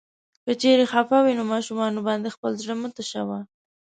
که چيرې خفه وې نو ماشومانو باندې خپل زړه مه تشوه.